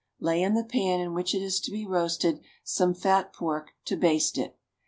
Lay in the pan in which it is to be roasted some fat pork to baste it.